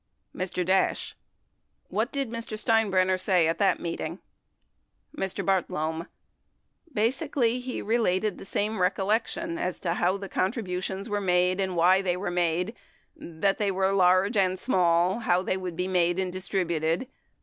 Mr. Dash. What did Mr. Steinbrenner say at that meeting ? Mr. Bartlome. Basically, he related the same recollection as to how the contributions were made and why they w T ere made; that they were large and small — how they would be made and distributed.